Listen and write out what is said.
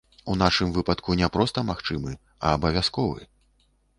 У нашым выпадку не проста магчымы, а абавязковы.